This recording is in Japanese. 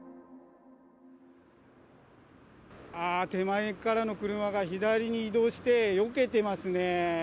ああ、手前からの車が左に移動して、よけてますね。